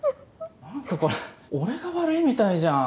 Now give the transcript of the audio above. なんかこれ俺が悪いみたいじゃん。